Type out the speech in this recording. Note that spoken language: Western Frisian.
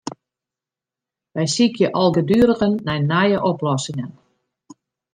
Wy sykje algeduerigen nei nije oplossingen.